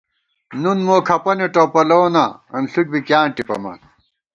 نُن مو کھپَنے پېلَووناں، انݪُک بی کیاں ٹِپَمان